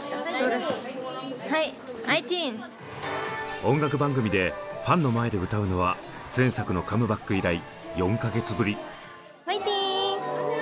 音楽番組でファンの前で歌うのは前作のカムバック以来４か月ぶり。